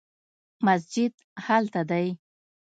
مسجد هلته دی